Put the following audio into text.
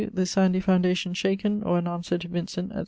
The sandy foundation shaken, or an answer to Vincent, etc.